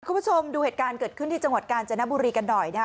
คุณผู้ชมดูเหตุการณ์เกิดขึ้นที่จังหวัดกาญจนบุรีกันหน่อยนะฮะ